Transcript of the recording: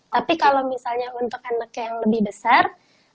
tapi kalau misalnya untuk anak yang lebih besar